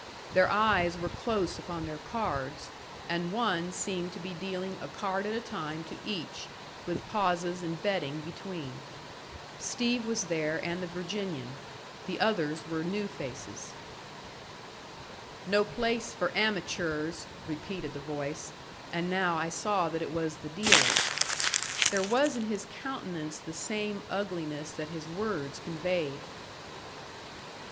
Their eyes were close upon their cards, and one seemed to be dealing a card at a time to each, with pauses and betting between. Steve was there and the Virginian; the others were new faces. "No place for amatures," repeated the voice; and now I saw that it was the dealer's. There was in his countenance the same ugliness that his words conveyed.